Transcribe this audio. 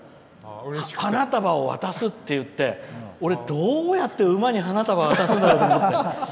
花束を渡すっていって俺、どうやって馬に花束渡すんだろって思って。